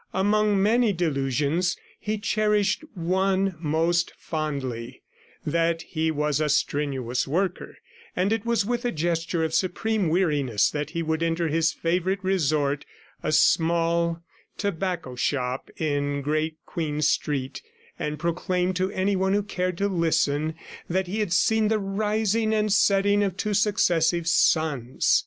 Amongst many delusions, he cherished one most fondly, that he was a strenuous worker; and it was with a gesture of supreme weariness that he would enter his favourite resort, a small tobacco shop in Great Queen Street, and proclaim to anyone who cared to listen that he had seen the rising and setting of two successive suns.